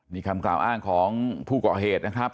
นี่คำกล่าวอ้างของผู้ก่อเหตุนะครับ